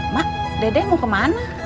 mak dede mau ke mana